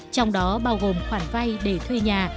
trong đó bao gồm khoản vay để thuê nhà